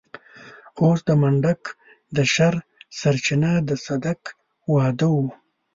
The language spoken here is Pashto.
اوس د منډک د شر سرچينه د صدک واده و.